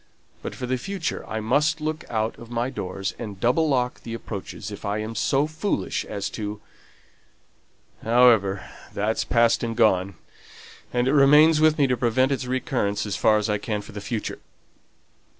But for the future I must look out of my doors, and double lock the approaches if I am so foolish as to However, that's past and gone; and it remains with me to prevent its recurrence as far as I can for the future.